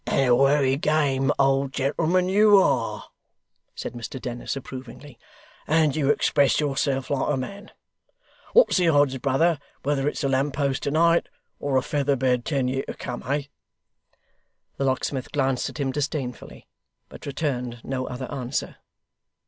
'And a wery game old gentleman you are,' said Mr Dennis, approvingly; 'and you express yourself like a man. What's the odds, brother, whether it's a lamp post to night, or a feather bed ten year to come, eh?' The locksmith glanced at him disdainfully, but returned no other answer.